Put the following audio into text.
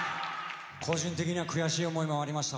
個人的には悔しい思いもありました。